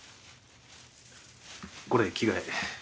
これ着替え。